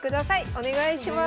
お願いします。